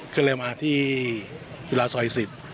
ขึ้นเลยมาที่ยุลาซอย๑๐